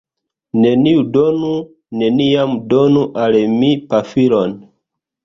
Neniu donu... neniam donu al mi pafilon